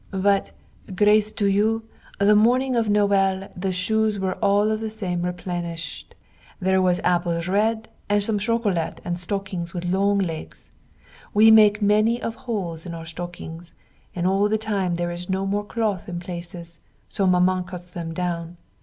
But, grace to you, the morning of Noël the shoes were all of same remplished. There was apples red and some chocolate and stockings with long legs. We make many of holes in our stockings and all the time there is no more cloth in places, so Maman cuts them down.